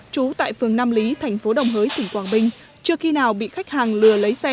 trú tại phường nam lý thành phố đồng hới tỉnh quảng bình chưa khi nào bị khách hàng lừa lấy xe